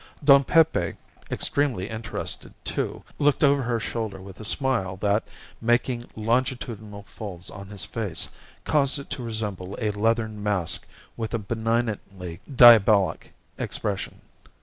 Don Pepe, extremely interested, too, looked over her shoulder with a smile that, making longitudinal folds on his face, caused it to resemble a leathern mask with a benignantly diabolic expression.